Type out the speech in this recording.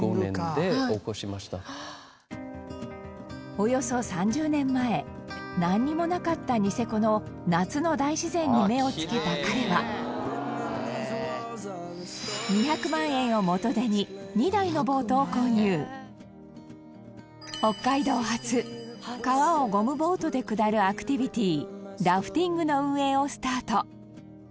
およそ３０年前なんにもなかったニセコの夏の大自然に目を付けた彼は北海道初、川をゴムボートで下るアクティビティラフティングの運営をスタート